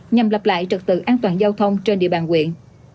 nhằm lập lại trật tự an toàn giao thông trên địa bàn huyện